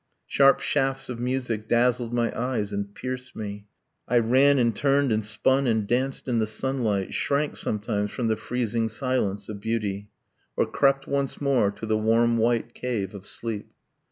Sharp shafts of music dazzled my eyes and pierced me. I ran and turned and spun and danced in the sunlight, Shrank, sometimes, from the freezing silence of beauty, Or crept once more to the warm white cave of sleep.